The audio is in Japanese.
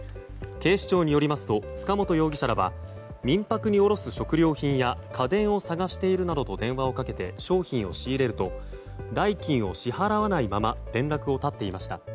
警視庁によりますと塚本容疑者らは民泊に卸す食料品や家電を探しているなどと電話をかけて商品を仕入れると代金を支払わないまま連絡を絶っていました。